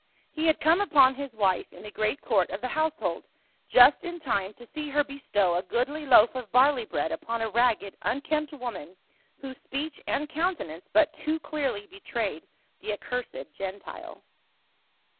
He had come upon his wife in the great court of the household just in time to see her THE CHOSEN AND THE ACCURSED. 117 bestow a goodly loaf of barley bread upon a ragged unkempt woman, whose speech and countenance but too clearly betrayed the accursed Gentile.